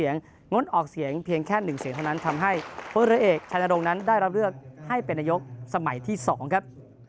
ง้นออกเสียงเพียงแค่หนึ่งเสียงเท่านั้นทำให้พระเอกชันตรงนั้นได้รับเลือกให้เป็นนักยกสมัยที่สองครับ